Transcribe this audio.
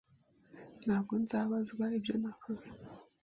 Ntabwo nzabazwa ibyo nakoze.